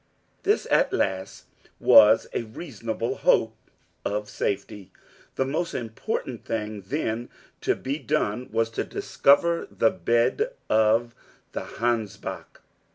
This, at last, was a reasonable hope of safety. The most important thing, then, to be done was to discover the bed of the Hansbach.